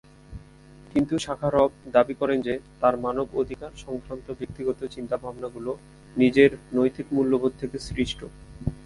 কিন্তু শাখারভ দাবী করেন যে, তার মানব অধিকার সংক্রান্ত ব্যক্তিগত চিন্তা-ভাবনাগুলো নিজের নৈতিক মূল্যবোধ থেকে সৃষ্ট।